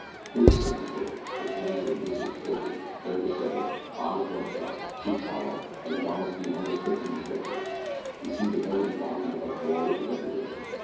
It was Sammy Twitter, with hands and visage filthy, hair dishevelled, eyes bloodshot, cheeks hollow, and garments beyond description disreputable. He seemed the very embodiment of woe and degradation.